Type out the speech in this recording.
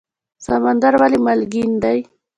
سمندر ولې مالګین دی؟